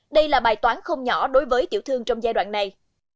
đây là bài toán không nhỏ đối với tiểu thương trong giai đoạn này